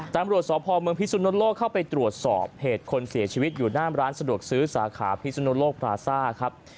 ตำรวจสพเมืองพิสุนโลกเข้าไปตรวจสอบเหตุคนเสียชีวิตอยู่หน้ามร้านสะดวกซื้อสาขาพิศนุโลกพลาซ่าครับ